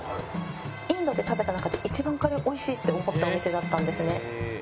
インドで食べた中で一番カレー美味しいって思ったお店だったんですね。